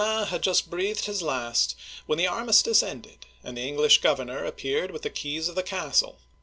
(1364 1380) 171 Du Guesclin had just breathed his last, when the armistice ended, and the English governor appeared with the keys of the castle.